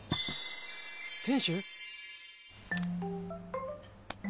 店主！？